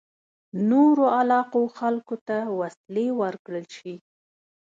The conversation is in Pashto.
نورو علاقو خلکو ته وسلې ورکړل شي.